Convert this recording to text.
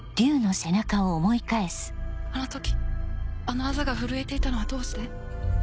でもあの時あのアザが震えていたのはどうして？